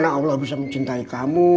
karena allah bisa mencintai kamu